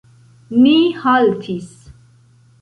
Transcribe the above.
Ni haltis.